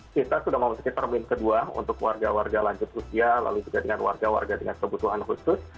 kita sudah memasuki termin kedua untuk warga warga lanjut usia lalu juga dengan warga warga dengan kebutuhan khusus